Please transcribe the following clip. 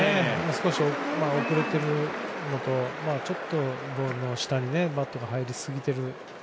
少し遅れているのとちょっとボールの下にバットが入りすぎている。